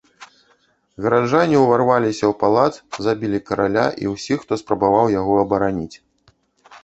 Гараджане ўварваліся ў палац, забілі караля і ўсіх, хто спрабаваў яго абараніць.